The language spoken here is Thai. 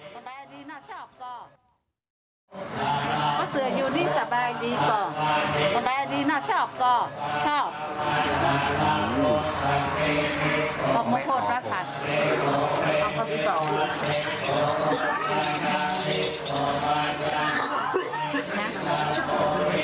คุณคุณค่ะชาวโรงคล้ายนี่ชอบเนาะ